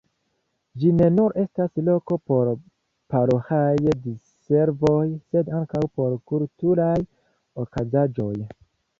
Ĝi ne nur estas loko por paroĥaj diservoj, sed ankaŭ por kulturaj okazaĵoj.